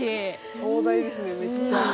壮大ですねめっちゃ。